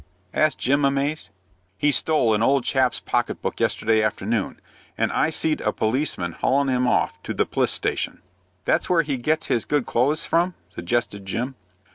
asked Jim, amazed. "He stole an old chap's pocket book yesterday afternoon, and I seed a policeman haulin' him off to the p'lice station." "That's where he gets his good clo'es from?" suggested Jim.